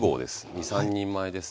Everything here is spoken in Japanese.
２３人前ですね。